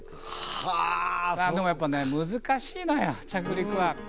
でもやっぱね難しいのよ着陸は。